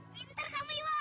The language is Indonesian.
pintar kamu iwa